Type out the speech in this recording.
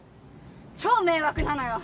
超迷惑なのよ！